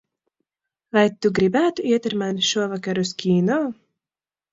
Vai tu gribētu iet ar mani šovakar uz kino?